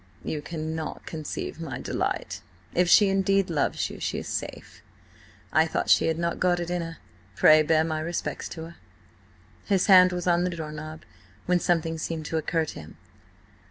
"You cannot conceive my delight. If she indeed loves you, she is safe. I thought she had not got it in her. Pray bear my respects to her." His hand was on the door knob, when something seemed to occur to him.